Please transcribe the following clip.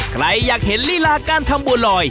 ใครอยากเห็นลีลาการทำบัวลอย